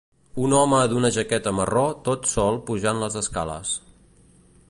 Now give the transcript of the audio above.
Un home d'una jaqueta marró tot sol pujant les escales.